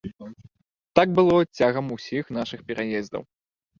Так было цягам усіх нашых пераездаў.